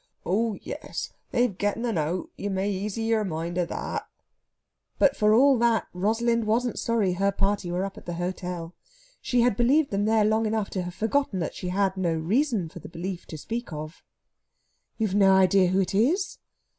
Oh yes, they've getten un out; ye may easy your mind o' that." But, for all that, Rosalind wasn't sorry her party were up at the hotel. She had believed them there long enough to have forgotten that she had no reason for the belief to speak of. "You've no idea who it is?"